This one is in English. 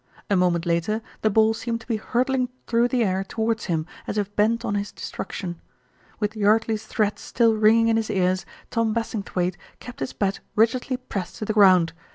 A moment later the ball seemed to be hurtling through the air towards him, as if bent on his destruction. With Yardley's threats still ringing in his ears Tom Bassingthwaighte kept his bat rigidly pressed to the ground.